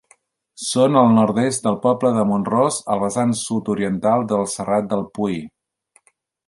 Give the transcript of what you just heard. Són al nord-est del poble de Mont-ros, al vessant sud-oriental del Serrat de Pui.